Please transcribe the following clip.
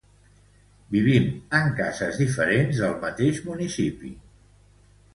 Vivim en cases diferents del mateix municipi.